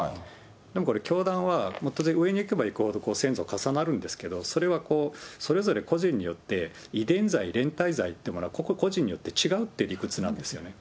でもこれ、教団は当然、上に行けば行くほど、先祖重なるんですけど、それはそれぞれ個人によって、遺伝罪連帯罪って、個々、個人によって違うという理屈なんですよ。